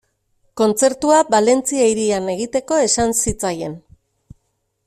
Kontzertua Valentzia hirian egiteko esan zitzaien.